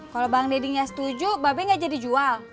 kalau bang deddy nggak setuju babe nggak jadi jual